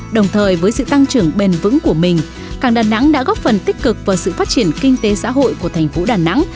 đồng thời với sự tăng trưởng bền vững của mình cảng đà nẵng đã góp phần tích cực vào sự phát triển kinh tế xã hội của thành phố đà nẵng